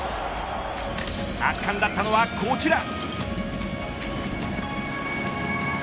圧巻だったのはこちら。